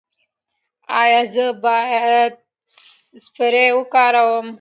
ایا زه باید سپری وکاروم؟